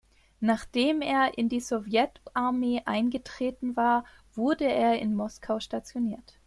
Nachdem er in die Sowjetarmee eingetreten war, wurde er in Moskau stationiert.